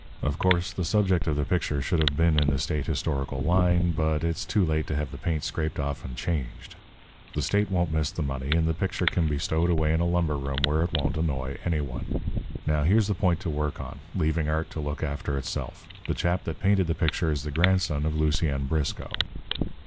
Of course, the subject of the picture should have been in the state historical line, but it's too late to have the paint scraped off and changed. The state won't miss the money and the picture can be stowed away in a lumber room where it won't annoy any one. Now, here's the point to work on, leaving art to look after itself the chap that painted the picture is the grandson of Lucien Briscoe."